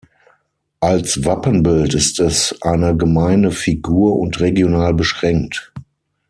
Als Wappenbild ist es eine gemeine Figur und regional beschränkt.